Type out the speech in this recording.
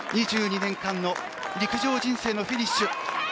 ２２年間の陸上人生のフィニッシュ